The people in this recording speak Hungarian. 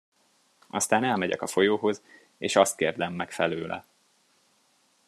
Aztán elmegyek a folyóhoz, és azt kérdem meg felőle.